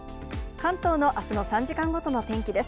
関東のあすの３時間ごとのお天気です。